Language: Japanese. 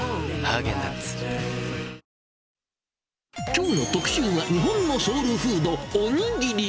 きょうの特集は、日本のソウルフード、おにぎり。